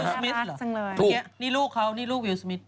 นี่ลูกเขานี่ลูกวิวสมิทซ์